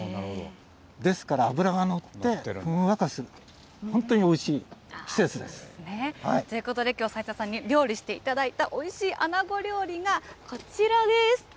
ですから、脂が乗って、ふんわかそういうことできょう、斎田さんに料理していただいた、おいしいあなご料理が、こちらです。